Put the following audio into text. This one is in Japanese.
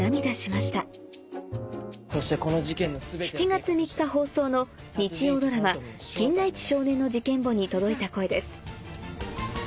７月３日放送の日曜ドラマ『金田一少年の事件簿』に届いた声です